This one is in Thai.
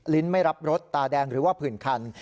ไม่รับรสตาแดงหรือว่าผื่นคัน